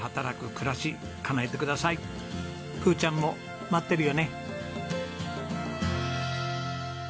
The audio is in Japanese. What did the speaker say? ふーちゃんも待ってるよね。